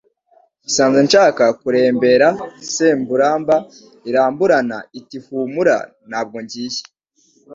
Isanze nshaka kurembera, Semuramba iramburana, Iti humura ntabwo mugiye